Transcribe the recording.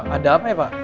ada apa ya pak